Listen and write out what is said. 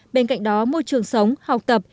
bên cạnh đó môi trường sống học tập